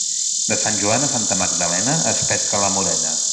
De Sant Joan a Santa Magdalena es pesca la morena.